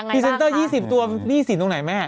เซนเตอร์๒๐ตัวหนี้สินตรงไหนแม่